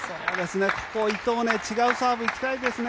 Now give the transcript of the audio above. ここ、伊藤違うサーブ行きたいですね